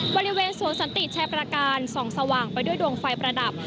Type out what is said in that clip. บริเวณสวนสันติแชร์ประการส่องสว่างไปด้วยดวงไฟประดับ